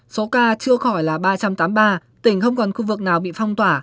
số ca chưa khỏi là ba trăm tám mươi ba tỉnh không còn khu vực nào bị phong tỏa